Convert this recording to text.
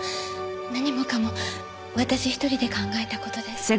何もかも私一人で考えた事です。